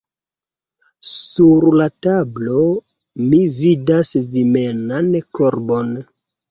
Sur la tablo mi vidas vimenan korbon.